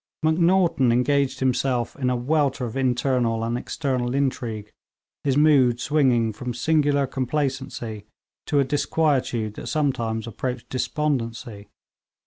Macnaghten engaged himself in a welter of internal and external intrigue, his mood swinging from singular complacency to a disquietude that sometimes approached despondency.